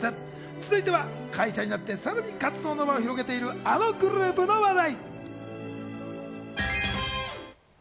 続いては、解散になって、さらに活動の場を広げている、あのグループの話題。